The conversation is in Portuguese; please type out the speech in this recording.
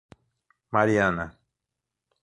Mariana